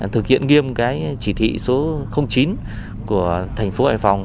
thực hiện nghiêm cái chỉ thị số chín của thành phố hải phòng